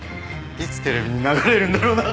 いつテレビに流れるんだろうな。